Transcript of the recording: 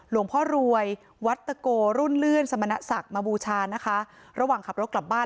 หลวงพ่อรวยท์วัดตะโกรุ่นสะมนตร์ศักดิ์มบูชาระหว่างขับรถกลับบ้าน